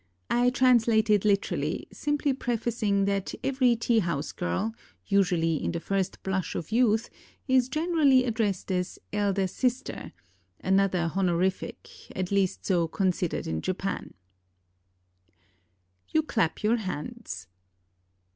I translate it literally, sim ply prefacing that every tea house girl, usually in the first blush of youth, is generically addressed as "elder sister," — another honorific, at least so considered in Japan, You clap your hands.